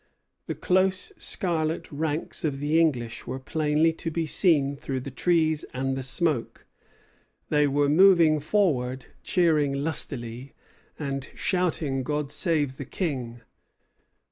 The close scarlet ranks of the English were plainly to be seen through the trees and the smoke; they were moving forward, cheering lustily, and shouting "God save the King!"